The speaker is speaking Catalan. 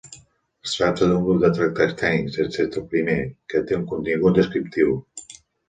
Es tracta d'un grup de tractats tècnics, excepte el primer, que té un contingut descriptiu.